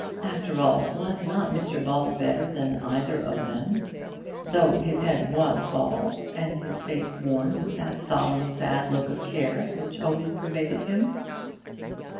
After all, was not Mr Ball better than either of them, though his head was bald and his face worn with that solemn, sad look of care which always pervaded him?